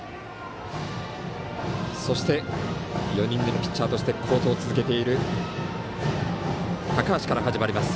そして４人目のピッチャーとして好投を続けている高橋から始まります